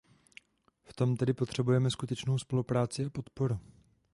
V tom tedy potřebujeme skutečnou spolupráci a podporu.